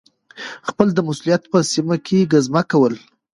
خپل د مسؤلیت په سیمه کي ګزمه کول